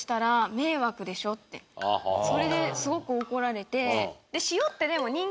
それですごく怒られて。